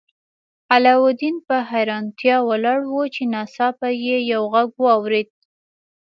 علاوالدین په حیرانتیا ولاړ و چې ناڅاپه یې یو غږ واورید.